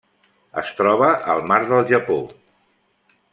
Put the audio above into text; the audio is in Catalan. Es troba al mar del Japó.